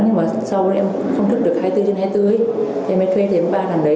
nhưng mà sau đó em cũng không thức được hai mươi bốn trên hai mươi bốn ấy thế mới thuê thêm ba thằng đấy